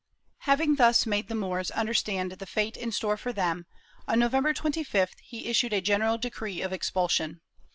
^ Having thus made the Moors understand the fate in store for them, on November 25th he issued a general decree of expulsion.